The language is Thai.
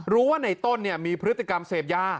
ว่าในต้นมีพฤติกรรมเสพยา